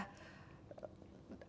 atau imun itu